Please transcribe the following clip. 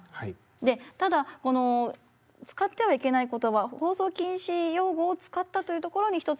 でただこの使ってはいけない言葉放送禁止用語を使ったというところに一つ